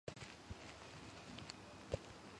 მისი ნება უგულებელსაყოფია ამ ორ ძალასთან შედარებით.